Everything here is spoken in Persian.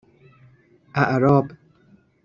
اعراب